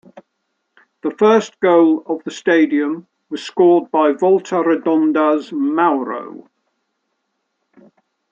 The first goal of the stadium was scored by Volta Redonda's Mauro.